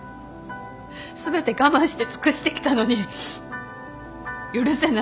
全て我慢して尽くしてきたのに許せない。